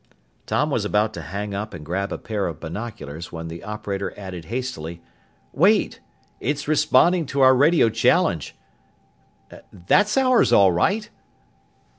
Tom was about to hang up and grab a pair of binoculars when the operator added hastily, "Wait! It's responding to our radio challenge!... That's ours, all right!"